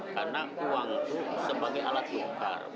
karena uang itu sebagai alat tukar